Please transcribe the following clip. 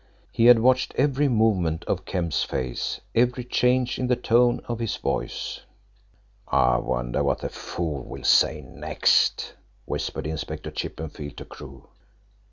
He had watched every movement of Kemp's face, every change in the tone of his voice. "I wonder what the fool will say next," whispered Inspector Chippenfield to Crewe.